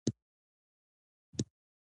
د ځمکې قباله شرعي ده؟